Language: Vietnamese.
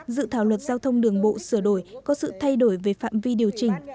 dự thảo luật giao thông đường bộ sửa đổi có sự thay đổi về phạm vi điều chỉnh